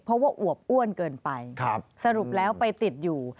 เพราะว่าอวบอ้วนเกินไปสรุปแล้วไปติดอยู่